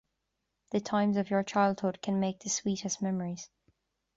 The times of your childhood can make the sweetest memories.